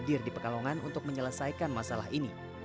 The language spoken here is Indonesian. hadir di pekalongan untuk menyelesaikan masalah ini